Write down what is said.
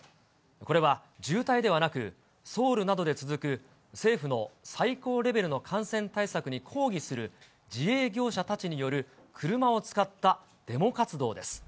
これは渋滞ではなく、ソウルなどで続く政府の最高レベルの感染対策に抗議する自営業者たちによる、車を使ったデモ活動です。